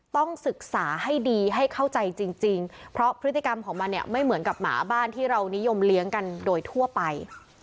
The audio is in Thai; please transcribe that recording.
ต้องศึกษาให้ดีให้เข้าใจจริงเพราะพฤติกรรมของมันเนี่ยไม่เหมือนกับหมาบ้านที่เรานิยมเลี้ยงกันโดยทั่วไป